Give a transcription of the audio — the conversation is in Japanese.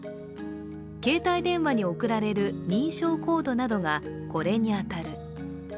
携帯電話に送られる認証コードなどがこれに当たる。